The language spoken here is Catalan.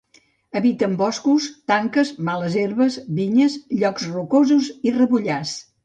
Habita en boscos, tanques, males herbes, vinyes, llocs rocosos i rebollars.